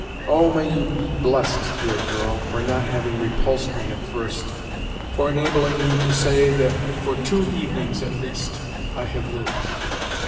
Oh, may you be blessed, dear girl, for not having repulsed me at first, for enabling me to say that for two evenings, at least, I have lived."